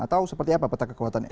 atau seperti apa peta kekuatannya